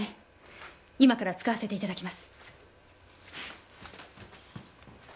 今から使わせて頂きます。